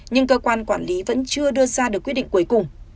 nhưng cơ quan quản lý vẫn chưa đưa ra được quyết định cuối cùng